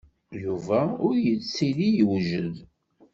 Yuba ur yettili yewjed.